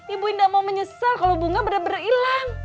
ibu indah mau menyesal kalo bunga bener bener hilang